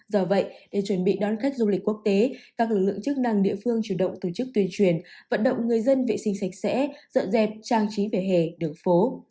do vậy để chuẩn bị đón khách du lịch quốc tế các lực lượng chức năng địa phương chủ động tổ chức tuyên truyền vận động người dân vệ sinh sạch sẽ dọn dẹp trang trí về hè đường phố